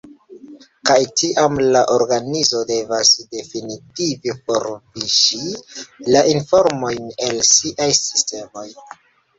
Kaj tiam la organizo devas definitive forviŝi la informojn el siaj sistemoj.